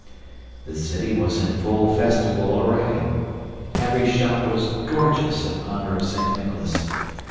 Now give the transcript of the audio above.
The city was in full festival array. Every shop was gorgeous in honor of Saint Nicholas.